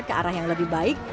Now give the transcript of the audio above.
ke arah yang lebih baik